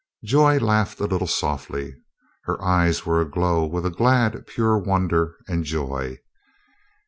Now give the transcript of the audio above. Joy laughed a little softly. Her eyes were aglow with a glad, pure wonder and joy.